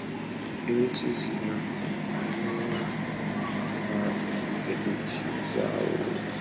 Nchi zinafafanua fahirisi zao kulingana na viwango vyao vya ubora